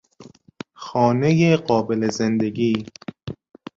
خانهی قابل زندگی